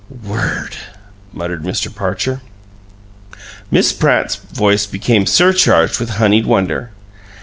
"WORD!" muttered Mr. Parcher. Miss Pratt's voice became surcharged with honeyed wonder.